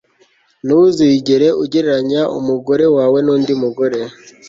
Ntuzigere ugereranya umugore wawe nundi mugore